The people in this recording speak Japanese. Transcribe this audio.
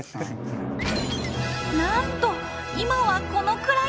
なんと今はこのくらい！